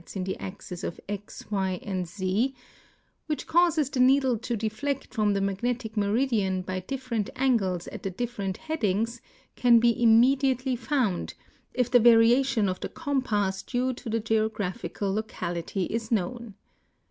s in the axes of X, Y, and Z— which causes the needle to detlect from the magnetic meridian by different angles at the different headings, can be immediately found, if the variation of the com pass due to the geographical locality is known.